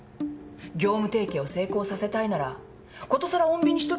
業務提携を成功させたいならことさら穏便にしときたいところでしょう。